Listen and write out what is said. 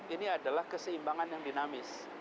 ini adalah keseimbangan yang dinamis